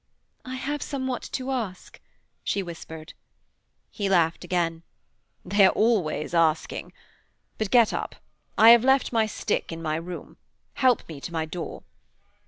'I have somewhat to ask,' she whispered. He laughed again. 'They are always asking! But get up. I have left my stick in my room. Help me to my door.'